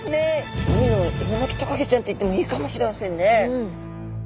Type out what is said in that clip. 海のエリマキトカゲちゃんって言ってもいいかもしれませんね。